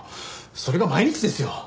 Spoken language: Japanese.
それが毎日ですよ？